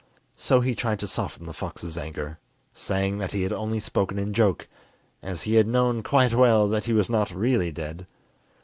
So he tried to soften the fox's anger, saying that he had only spoken in joke, as he had known quite well that he was not really dead.